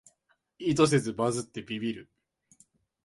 意図せずバズってビビる